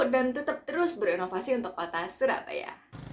dan tetap terus berinovasi untuk kota surabaya